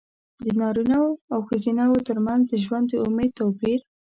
د نارینه وو او ښځینه وو ترمنځ د ژوند د امید توپیر.